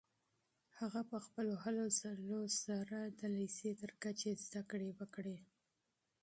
هغه په خپلو هلو ځلو سره د لیسې تر کچې زده کړې وکړې.